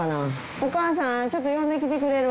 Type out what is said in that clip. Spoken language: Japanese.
お母さんちょっと呼んできてくれる？